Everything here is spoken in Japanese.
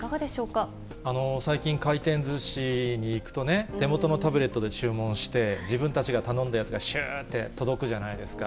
最近、回転ずしに行くとね、手元のタブレットで注文して、自分たちが頼んだやつがしゅーって届くじゃないですか。